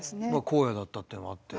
荒野だったっていうのもあって。